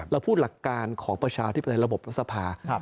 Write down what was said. เราพูดหลักการของประชาธิปไตยระบบรัฐสภา